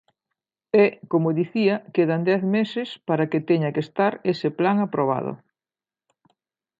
E, como dicía, quedan dez meses para que teña que estar ese plan aprobado.